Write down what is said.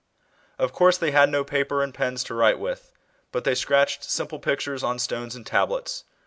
, Of course they had no paper and pens to write with, but they scratched simple pictures on stones and tablets.